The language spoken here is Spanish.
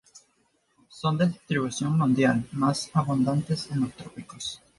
Son de distribución mundial, más abundantes en los trópicos.